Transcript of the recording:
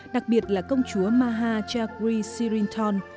đặc biệt là công chúa maha jagri sirinton